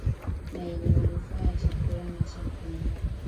na yenye manufaa ya chakula na cha kunywa